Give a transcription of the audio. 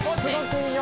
いいよ！